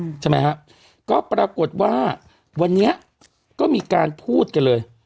ใช่ไหมฮะก็ปรากฏว่าวันนี้ก็มีการพูดกันเลย